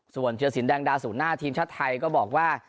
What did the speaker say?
ส่วนเทียรสินแดงดาศูนย์หน้าทีมชาติไทยก็บอกว่า